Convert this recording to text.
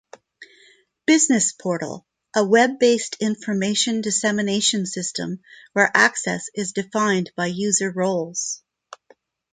Business Portal: A web-based information dissemination system where access is defined by user roles.